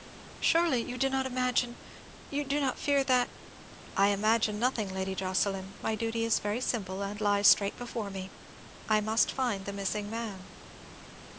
"Surely you do not imagine—you do not fear that——" "I imagine nothing, Lady Jocelyn. My duty is very simple, and lies straight before me. I must find the missing man."